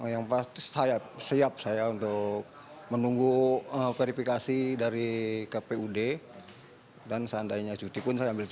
yang pasti saya siap saya untuk menunggu verifikasi dari kpud dan seandainya cuti pun saya ambil